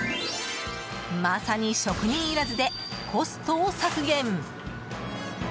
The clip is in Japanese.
まさに職人いらずでコストを削減。